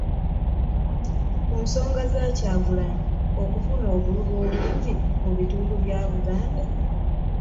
Ku nsonga ya Kyagulanyi okufuna obululu obungi mu bitundu bya Buganda